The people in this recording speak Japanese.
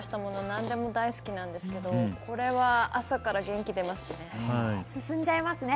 何でも大好きなんですけれども、これは朝から元気が出ますね。